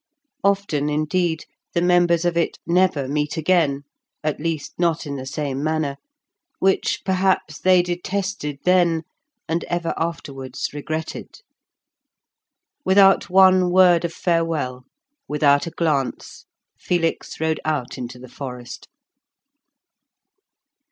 Often, indeed, the members of it never meet again, at least, not in the same manner, which, perhaps, they detested then, and ever afterwards regretted. Without one word of farewell, without a glance, Felix rode out into the forest.